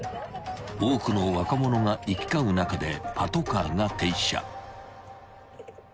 ［多くの若者が行き交う中でパトカーが停車］